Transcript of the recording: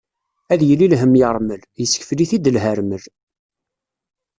Ad yili lhemm yermel, yessekfel-it-id lhermel.